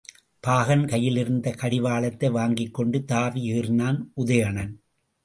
பாகன் கையிலிருந்து கடி வாளத்தை வாங்கிக்கொண்டு தாவி ஏறினான் உதயணன்.